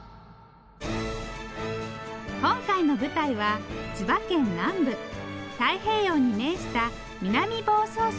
今回の舞台は千葉県南部太平洋に面した南房総市。